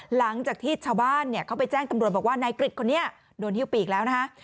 หลังจากที่ชาวบ้านเนี่ยเขาไปแจ้งตำรวจบอกว่านายกริจคนนี้โดนฮิ้วปีกแล้วนะคะ